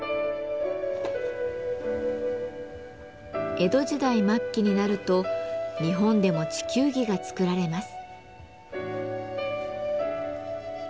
江戸時代末期になると日本でも地球儀が作られます。